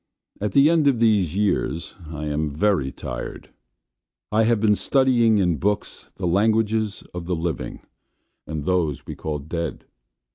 At the end of these years I am very tired. I have been studying in books the languages of the living and those we call dead.